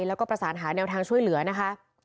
แล้วก็ประสานหาแนวทางช่วยเหลือนะคะ